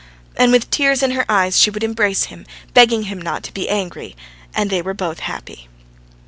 And with tears in her eyes she would embrace him, begging him not to be angry, and they were both happy.